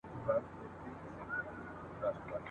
هم په ویښه هم په خوب کي خپل زلمي کلونه وینم ..